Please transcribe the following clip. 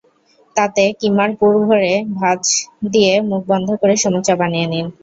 তাতে কিমার পুর ভরে ভাঁজ দিয়ে মুখ বন্ধ করে সমুচা বানিয়ে নিন।